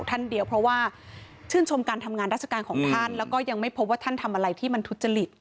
ท่านเดียวเพราะว่าชื่นชมการทำงานราชการของท่านแล้วก็ยังไม่พบว่าท่านทำอะไรที่มันทุจริต